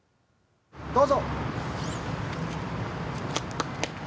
どうぞ。